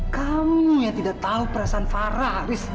kamu yang tidak tahu perasaan farah haris